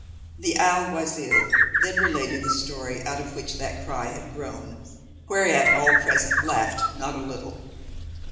The alguazil then related the story out of which that cry had grown, whereat all present laughed not a little.